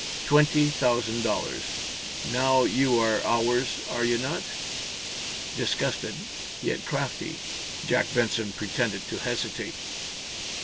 Twenty thousand dollars. Now you are ours, are you not?" Disgusted, yet crafty, Jack Benson pretended to hesitate.